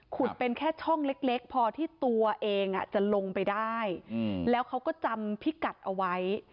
เป็นแค่ช่องเล็กพอที่ตัวเองจะลงไปได้แล้วเขาก็จำพิกัดเอาไว้